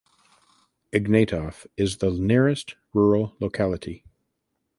Ignatov is the nearest rural locality.